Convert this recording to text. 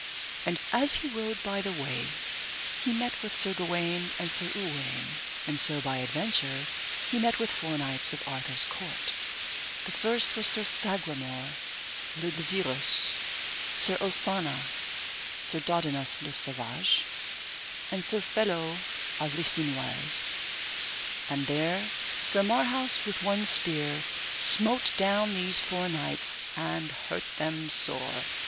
And as he rode by the way, he met with Sir Gawaine and Sir Uwaine, and so by adventure he met with four knights of Arthur's court, the first was Sir Sagramore le Desirous, Sir Osanna, Sir Dodinas le Savage, and Sir Felot of Listinoise; and there Sir Marhaus with one spear smote down these four knights, and hurt them sore.